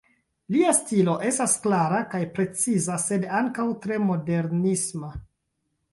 Lia stilo estas klara kaj preciza, sed ankaŭ tre modernisma.